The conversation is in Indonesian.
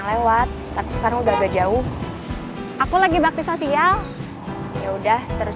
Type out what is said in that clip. lagi liat apa kerjaan udah beres